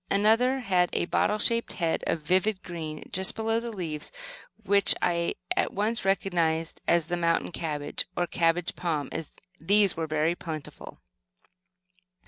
Another had a bottle shaped head of vivid green just below the leaves, which I at once recognized as the "mountain cabbage," or cabbage palm. These were very plentiful.